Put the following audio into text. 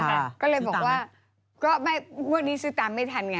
ก็เลยบอกว่าก็ไม่งวดนี้ซื้อตามไม่ทันไง